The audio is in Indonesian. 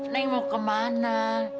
neng mau kemana